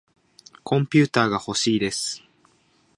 コンピューターがほしいです。